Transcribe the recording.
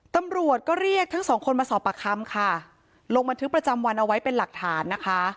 ตำรวจก็เรียกทั้งสองคนมาสอบปากคำค่ะลงบันทึกประจำวันเอาไว้เป็นหลักฐานนะคะ